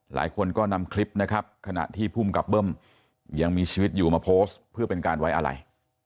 หลายคนก็นำคลิปนะครับขณะที่ภูมิกับเบิ้มยังมีชีวิตอยู่มาโพสต์เพื่อเป็นการไว้อะไร